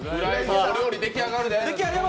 お料理、出来上がるで。